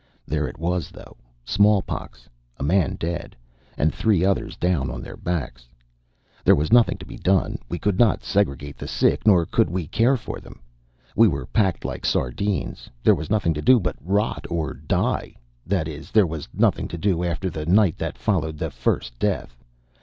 There it was, though smallpox, a man dead, and three others down on their backs. There was nothing to be done. We could not segregate the sick, nor could we care for them. We were packed like sardines. There was nothing to do but rot and die that is, there was nothing to do after the night that followed the first death.